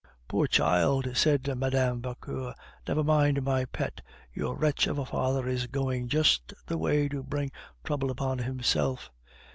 "Poor child!" said Mme. Vauquer. "Never mind, my pet, your wretch of a father is going just the way to bring trouble upon himself."